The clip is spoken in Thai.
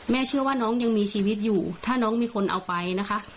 เชื่อว่าน้องยังมีชีวิตอยู่ถ้าน้องมีคนเอาไปนะคะ